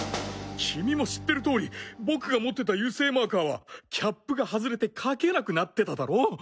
君も知ってる通り僕が持ってた油性マーカーはキャップが外れて書けなくなってただろ？